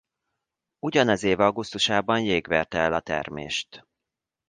Ugyanez év augusztusában jég verte el a termést.